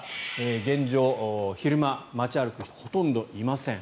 現状、昼間、街を歩く人ほとんどいません。